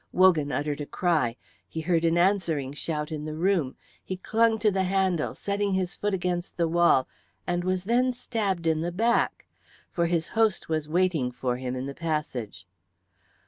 Wogan uttered a cry; he heard an answering shout in the room, he clung to the handle, setting his foot against the wall, and was then stabbed in the back. For his host was waiting for him in the passage.